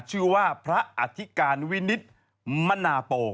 ชื่อว่าพระอธิการวินิตมนาโป